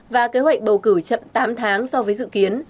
và kế hoạch bầu cử chậm tám tháng so với dự kiến